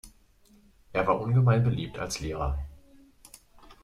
Er war ungemein beliebt als Lehrer.